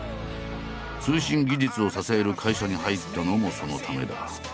通信技術を支える会社に入ったのもそのためだ。